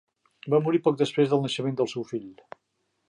Va morir poc després del naixement del seu fill.